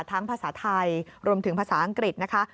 ภาษาไทยรวมถึงภาษาอังกฤษนะคะ